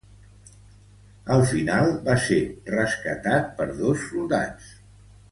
Al final, va ser rescatat per dos soldats.